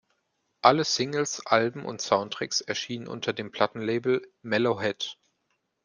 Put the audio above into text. Alle Singles, Alben und Soundtracks erschienen unter dem Plattenlabel Mellow Head.